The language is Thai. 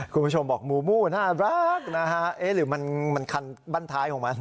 คุณผู้ชมบอกหมู่มูน่ารักนะฮะเอ๊ะหรือมันคันบ้านท้ายของมัน